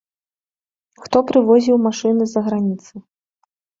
Хто прывозіў машыны з-за граніцы?